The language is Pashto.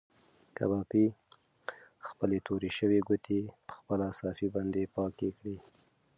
کبابي خپلې تورې شوې ګوتې په خپله صافه باندې پاکې کړې.